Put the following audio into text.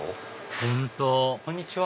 本当こんにちは。